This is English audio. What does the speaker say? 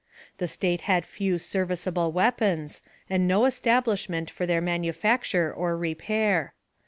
The State had few serviceable weapons, and no establishment for their manufacture or repair.